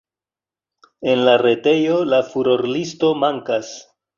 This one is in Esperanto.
En la retejo la furorlisto mankas.